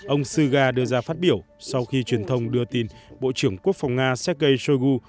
ông suga đưa ra phát biểu sau khi truyền thông đưa tin bộ trưởng quốc phòng nga sergei shoigu